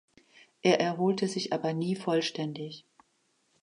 Er erholte sich aber nie vollständig.